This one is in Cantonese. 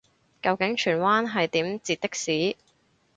究竟荃灣係點截的士